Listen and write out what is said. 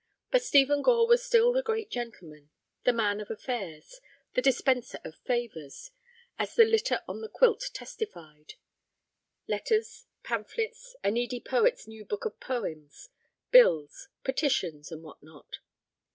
But Stephen Gore was still the great gentleman, the man of affairs, the dispenser of favors, as the litter on the quilt testified—letters, pamphlets, a needy poet's new book of poems, bills, petitions, and what not.